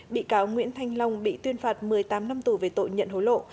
bị cáo nguyễn thanh long bị tuyên phạt một mươi tám năm tù về tội nhận hối lộ